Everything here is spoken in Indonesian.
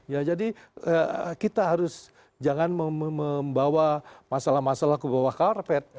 ya jadi kita harus jangan membawa masalah masalah ke bawah karpet